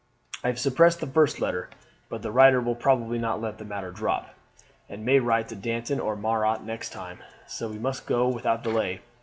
I have suppressed the first letter, but the writer will probably not let the matter drop, and may write to Danton or Marat next time, so we must go without delay.